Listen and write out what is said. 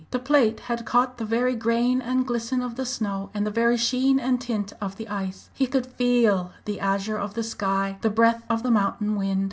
The plate had caught the very grain and glisten of the snow, the very sheen and tint of the ice. He could feel the azure of the sky, the breath of the mountain wind.